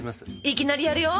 いきなりやるよ！